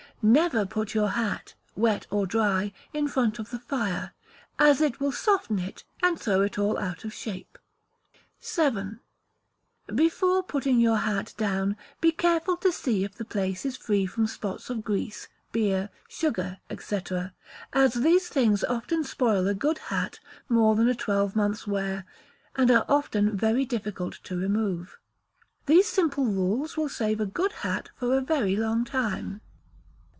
Never put your hat, wet or dry, in front of the fire, as it will soften it, and throw it all out of shape. vii. Before putting your hat down, be careful to see if the place is free from spots of grease, beer, sugar, &c., as these things often spoil a good hat more than a twelvemonths' wear, and are often very difficult to remove. These simple rules will save a good hat for a very long time.